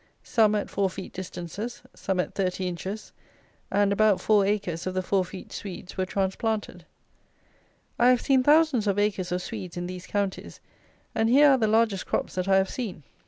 Some at 4 feet distances, some at 30 inches; and about 4 acres of the 4 feet Swedes were transplanted. I have seen thousands of acres of Swedes in these counties, and here are the largest crops that I have seen.